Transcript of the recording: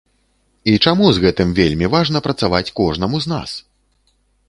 І чаму з гэтым вельмі важна працаваць кожнаму з нас?